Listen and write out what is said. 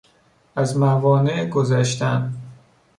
از موانع گذشتن